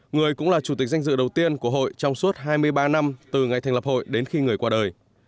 người cũng là chủ tịch danh dự đầu tiên của hội trong suốt hai mươi ba năm từ ngày thành lập hội đến khi người qua đời